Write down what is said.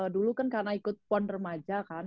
dulu kan karena ikut pon remaja kan